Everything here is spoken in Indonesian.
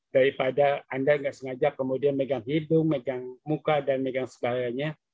daripada anda nggak sengaja kemudian megang hidung megang muka dan megang segalanya